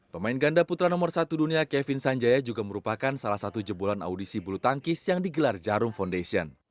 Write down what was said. pemain ganda putra nomor satu dunia kevin sanjaya juga merupakan salah satu jebolan audisi bulu tangkis yang digelar jarum foundation